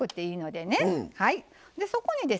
でそこにですね